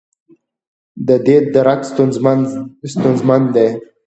دې درک ستونزمن دی.